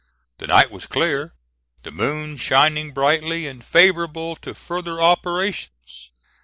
The night was clear the moon shining brightly and favorable to further operations.